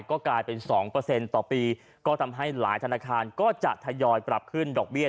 ก็กลายเป็น๒ต่อปีก็ทำให้หลายธนาคารก็จะทยอยปรับขึ้นดอกเบี้ย